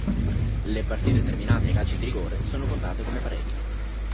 Le partite terminate ai calci di rigore sono contate come pareggio.